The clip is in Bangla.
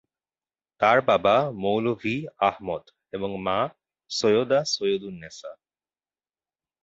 তার বাবা মৌলভী আহমদ এবং মা সৈয়দা সৈয়দুন্নেসা।